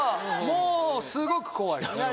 もうすごく怖いです。